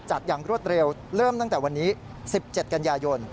อย่างรวดเร็วเริ่มตั้งแต่วันนี้๑๗กันยายน